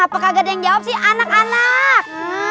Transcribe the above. apa kagak ada yang jawab sih anak anak